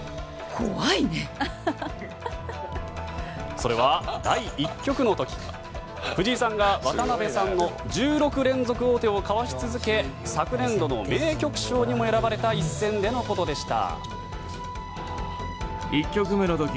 それは第１局の時藤井さんが渡辺さんの１６連続王手をかわし続け昨年度の名局賞にも選ばれた一戦でのことでした。